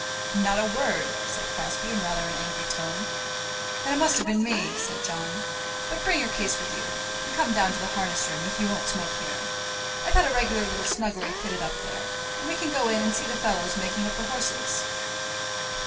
"Not a word," said Crosbie, in rather an angry tone. "Then it must have been me," said John. "But bring your case with you, and come down to the harness room, if you won't smoke here. I've had a regular little snuggery fitted up there; and we can go in and see the fellows making up the horses."